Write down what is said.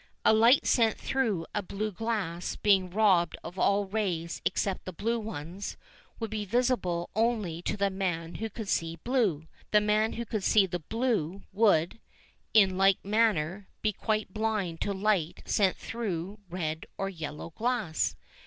A light sent through a blue glass being robbed of all rays except the blue ones would be visible only to the man who could see blue. The man who could see blue would, in like manner, be quite blind to light sent through red or yellow glass.